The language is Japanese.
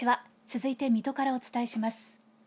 続いて水戸からお伝えします。